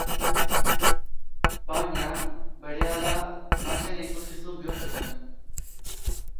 Baina, berehala masen ikuskizun bihurtu zen.